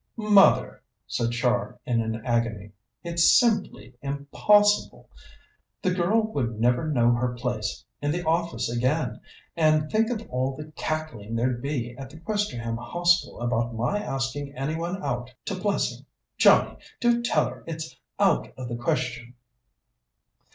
"Mother," said Char in an agony, "it's simply impossible. The girl would never know her place in the office again; and think of all the cackling there'd be at the Questerham Hostel about my asking any one out to Plessing. Johnnie, do tell her it's out of the question."